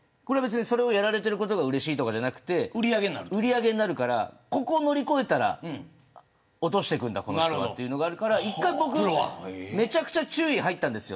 それをやられていることがうれしいとかじゃなくて売り上げになるからここを乗り越えたら落としていくんだ、この人はというのがあるから一回めちゃくちゃ注意入ったんです。